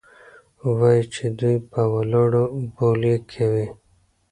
وايي چې دوى په ولاړو بولې کيې.